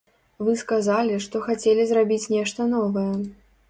Вы сказалі, што хацелі зрабіць нешта новае.